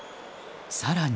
更に。